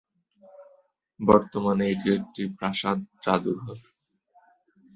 বর্তমানে এটি একটি প্রাসাদ জাদুঘর।